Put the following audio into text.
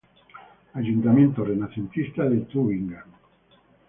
Ayuntamiento renacentista de Tübingen.